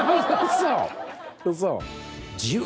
嘘！